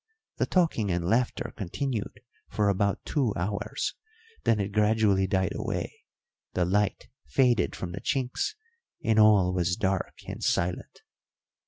The talking and laughter continued for about two hours, then it gradually died away, the light faded from the chinks, and all was dark and silent.